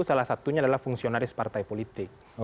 salah satunya adalah fungsionaris partai politik